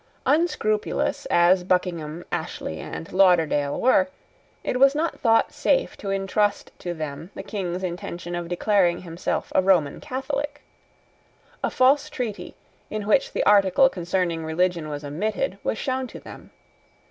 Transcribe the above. Unscrupulous as Buckingham, Ashley, and Lauderdale were, it was not thought safe to intrust to them the King's intention of declaring himself a Roman Catholic. A false treaty, in which the article concerning religion was omitted, was shown to them.